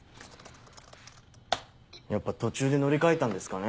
やっぱ途中で乗り換えたんですかね